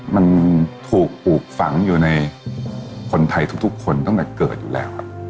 มันถูกปลูกฝังอยู่ในคนไทยทุกคนตั้งแต่เกิดอยู่แล้วครับ